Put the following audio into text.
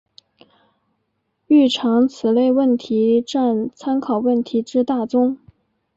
通常此类问题占参考问题之大宗。